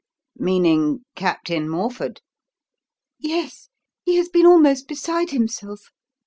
"Meaning Captain Morford?" "Yes. He has been almost beside himself.